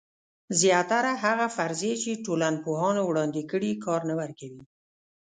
زیاتره هغه فرضیې چې ټولنپوهانو وړاندې کړي کار نه ورکوي.